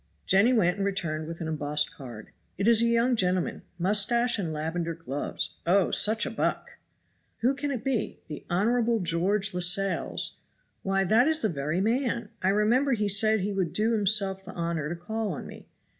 Jenny went and returned with an embossed card, "It is a young gentleman mustache and lavender gloves; oh, such a buck!" "Who can it be? the 'Honorable George Lascelles?' why that is the very man. I remember he said he would do himself the honor to call on me.